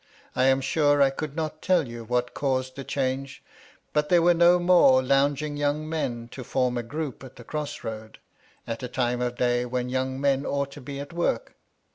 I am sure I could not tell you what caused the change ; but there were no more lounging young men to form a group at the cross road, at a time of day when young men ought to be at work.